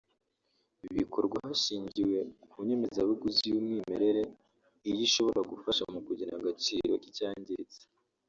bikorwa hashingiwe ku nyemezabuguzi y’umwimerere iyo ishobora gufasha mu kugena agaciro k’icyangiritse